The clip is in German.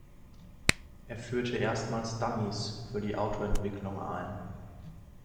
Er führte erstmals Dummys für die Auto-Entwicklung ein.